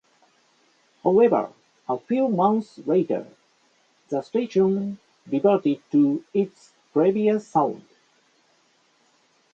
However, a few months later, the station reverted to its previous sound.